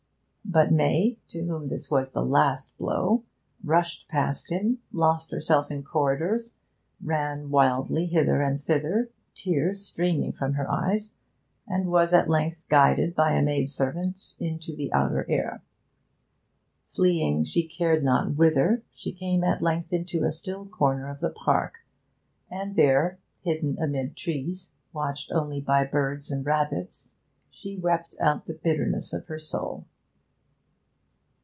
But May, to whom this was the last blow, rushed past him, lost herself in corridors, ran wildly hither and thither, tears streaming from her eyes, and was at length guided by a maidservant into the outer air. Fleeing she cared not whither, she came at length into a still corner of the park, and there, hidden amid trees, watched only by birds and rabbits, she wept out the bitterness of her soul.